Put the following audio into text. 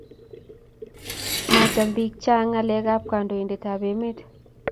Macham pik chang ngalek ab kandoiten ab amet